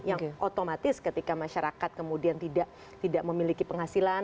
yang otomatis ketika masyarakat kemudian tidak memiliki penghasilan